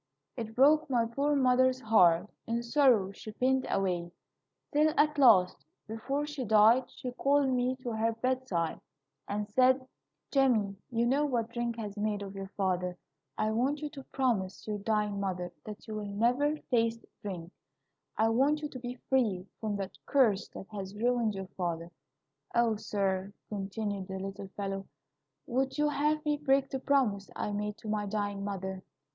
It broke my poor mother's heart. In sorrow she pined away, till, at last, before she died, she called me to her bedside, and said: 'Jamie, you know what drink has made of your father. I want you to promise your dying mother that you will never taste drink. I want you to be free from that curse that has ruined your father,' O, sir," continued the little fellow, "would you have me break the promise I made to my dying mother?